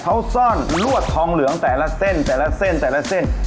เขาซ่อนลวดทองเหลืองแต่ละเส้นแต่ละเส้นแต่ละเส้น